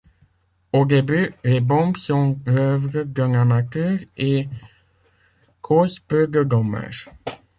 Au début, les bombes sont l'œuvre d'un amateur et causent peu de dommages.